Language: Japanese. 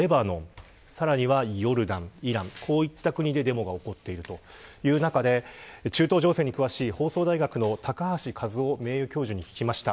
こういった国でデモが起こっているという中で中東情勢に詳しい放送大学の高橋和夫名誉教授に聞きました。